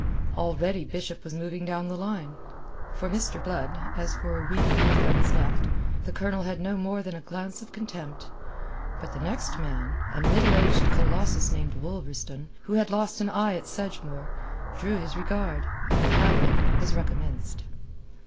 Already Bishop was moving down the line. For Mr. Blood, as for a weedy youth on his left, the Colonel had no more than a glance of contempt. But the next man, a middle aged Colossus named Wolverstone, who had lost an eye at Sedgemoor, drew his regard, and the haggling was recommenced.